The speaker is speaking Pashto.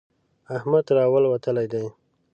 احمد تر اول وتلی دی.